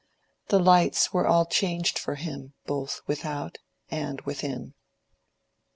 The lights were all changed for him both without and within.